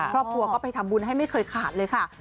ครอบครัวก็ไปทำบุญให้ไม่เคยขาดเลยค่ะ